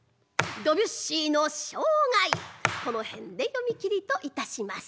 ドビュッシーの生涯この辺で読み切りといたします。